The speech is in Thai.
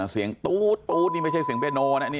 เสียงตูตูตูตูตูนี่ไม่ใช่เสียงเบนโนสอันนี้